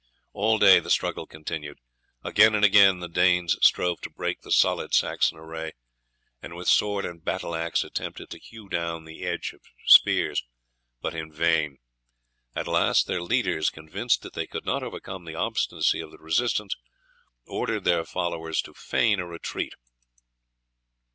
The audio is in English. All day the struggle continued. Again and again the Danes strove to break the solid Saxon array, and with sword and battle axe attempted to hew down the hedge of spears, but in vain. At last their leaders, convinced that they could not overcome the obstinacy of the resistance, ordered their followers to feign a retreat.